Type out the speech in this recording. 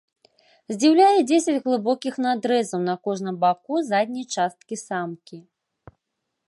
Здзіўляе дзесяць глыбокіх надрэзаў на кожным баку задняй часткі самкі.